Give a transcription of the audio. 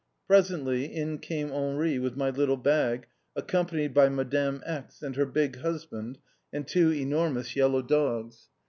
Presently, in came Henri, with my little bag, accompanied by Madame X., and her big husband, and two enormous yellow dogs.